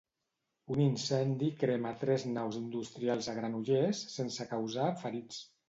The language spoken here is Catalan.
Un incendi crema tres naus industrials a Granollers sense causar ferits.